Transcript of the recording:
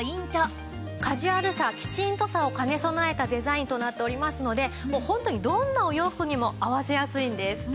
カジュアルさキチンとさを兼ね備えたデザインとなっておりますのでもうホントにどんなお洋服にも合わせやすいんです。